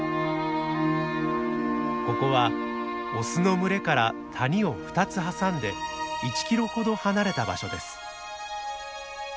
ここはオスの群れから谷を２つ挟んで１キロほど離れた場所です。